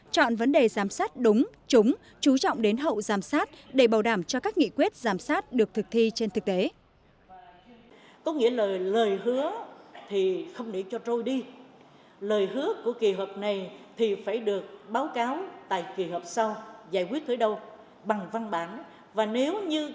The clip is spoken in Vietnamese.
chọn vấn đề giám sát đúng trúng chú trọng đến hậu giám sát để bảo đảm cho các nghị quyết giám sát được thực thi trên thực tế